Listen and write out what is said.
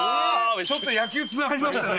ちょっと野球繋がりましたね。